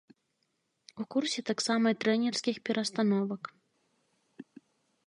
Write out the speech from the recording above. У курсе таксама і трэнерскіх перастановак.